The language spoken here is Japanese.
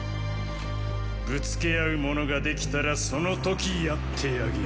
ぶつけ合うものができたらその時殺ってあげますよォ。